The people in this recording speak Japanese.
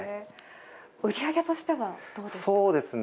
売り上げとしてはどうですか？